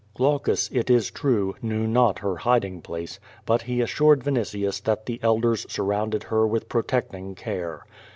Glaucus, it is true, knew not her hiding place, but he assured Vinitius that the elders surrounded her with protecting care.